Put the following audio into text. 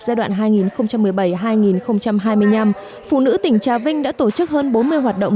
giai đoạn hai nghìn một mươi bảy hai nghìn hai mươi năm phụ nữ tỉnh trà vinh đã tổ chức hơn bốn mươi hoạt động